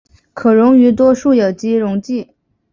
可溶于多数有机溶剂。